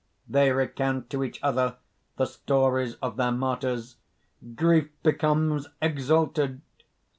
_ _They recount to each other the stories of their martyrs; grief becomes exalted!